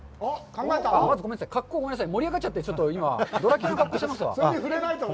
ごめんなさい、格好、ごめんなさい、盛り上がっちゃって、ドラキュラの格好をしてますわ。